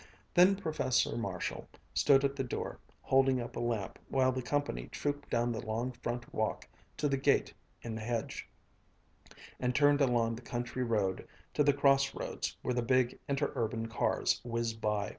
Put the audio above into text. Then Professor Marshall stood at the door holding up a lamp while the company trooped down the long front walk to the gate in the hedge, and turned along the country road to the cross roads where the big Interurban cars whizzed by.